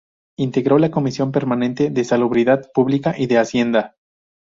Integró la Comisión permanente de Salubridad Pública, y de Hacienda.